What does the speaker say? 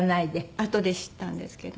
あとで知ったんですけど。